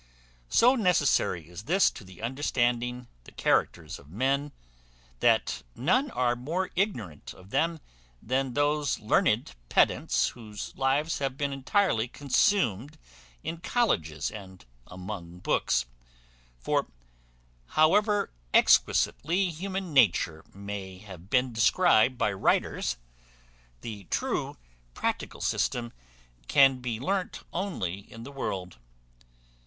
So necessary is this to the understanding the characters of men, that none are more ignorant of them than those learned pedants whose lives have been entirely consumed in colleges, and among books; for however exquisitely human nature may have been described by writers, the true practical system can be learnt only in the world.